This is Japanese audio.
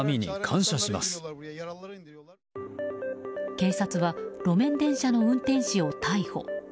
警察は路面電車の運転士を逮捕。